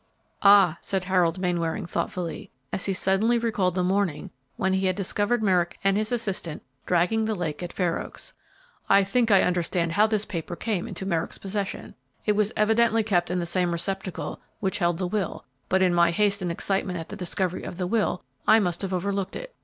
"Ah," said Harold Mainwaring, thoughtfully, as he suddenly recalled the morning when he had discovered Merrick and his assistant dragging the lake at Fair Oaks, "I think I understand how this paper came into Merrick's possession. It was evidently kept in the same receptacle which held the will, but in my haste and excitement at the discovery of the will I must have overlooked it.